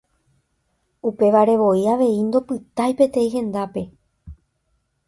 Upevarevoi avei ndopytái peteĩ hendápe.